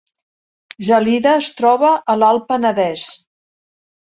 Gelida es troba a l’Alt Penedès